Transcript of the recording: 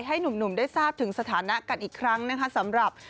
ให้หนุ่มได้ทราบถึงสถานะกันอีกครั้งนะคะสำหรับ